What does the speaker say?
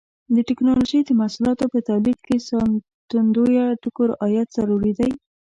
د ټېکنالوجۍ د محصولاتو په تولید کې د ساتندویه ټکو رعایت ضروري دی.